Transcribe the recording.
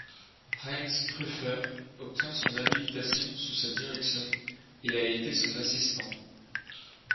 Heinz Prüfer obtient son habilitation sous sa direction et a été son assistant.